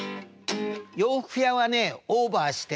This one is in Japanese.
洋服屋はねオーバーしてね